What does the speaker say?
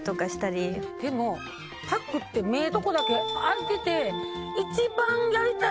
でもパックって目のとこだけ開いてて。